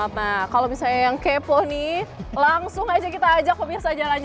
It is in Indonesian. nah kalau misalnya yang kepo nih langsung aja kita ajak pemirsa jalan jalan